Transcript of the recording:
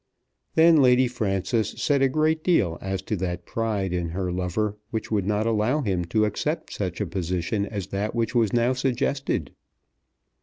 Then Lady Frances said a great deal as to that pride in her lover which would not allow him to accept such a position as that which was now suggested.